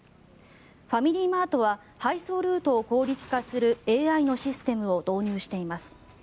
ファミリーマートは配送ルートを効率化するＡＩのシステムを導入しています。